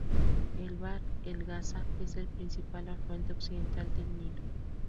El Bahr el Ghazal es el principal afluente occidental del Nilo.